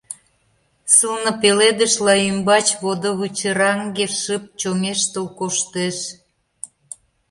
Сылне пеледышла ӱмбач водывычыраҥге шып чоҥештыл коштеш.